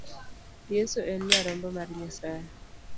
Yeso en nyarombo mar Nyasaye.